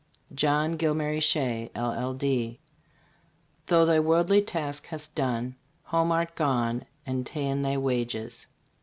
JOHN GILMARY SHEA, LL.D. Thou thy worldly task hast done, Home art gone and ta'en thy wages.